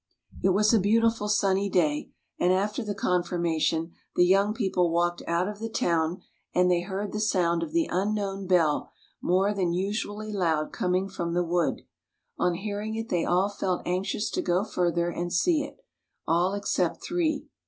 It was a beautiful sunny day, and after the Confirmation the young people walked out of the town and they heard the sound of the unknown bell more than usually loud coming from the wood. On hearing it they all felt anxious to go further and see it; all except three.